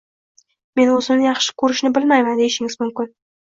Men o`zimni yaxshi ko`rishni bilmayman deyishingiz mumkin